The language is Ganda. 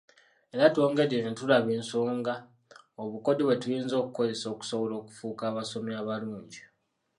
Era twongedde ne tulaba ensonga obukodyo bwe tuyinza okukozesa okusobola okufuuka abasomi abalungi.